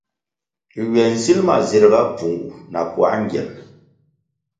Ywe nsil ma zirga pfungu na puā ngyem.